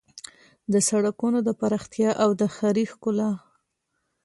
د سړکونو د پراختیا او د ښاري ښکلا